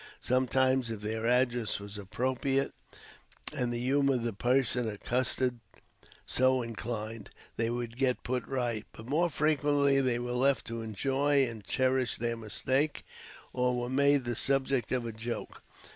Sometimes, if their address was appropriate and the humor of the person accosted so inclined, they would get put right, but more frequently they were left to enjoy and cherish their mistake, or were made the subject of a joke.